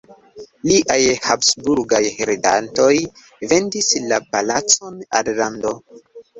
Liaj Habsburg-heredantoj vendis la palacon al lando.